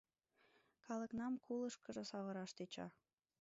Калыкнам кулышкыжо савыраш тӧча.